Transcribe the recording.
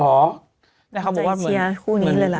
ใจเชียร์คู่นี้เลยล่ะ